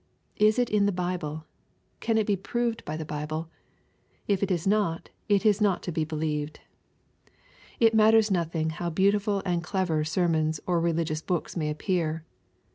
Is it iii4he Bible ? Can it be proved by the Bible ? If not^it is not to be believed. It matters nothing how beautiful and clever sermons or religious books may appear.